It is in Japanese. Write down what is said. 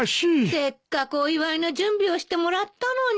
せっかくお祝いの準備をしてもらったのに。